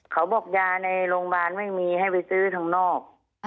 เขาบอกยาในโรงพยาบาลไม่มีให้ไปซื้อทางนอก